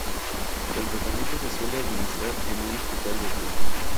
El tratamiento se suele administrar en un hospital de día.